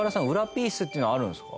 ピースっていうのあるんですか？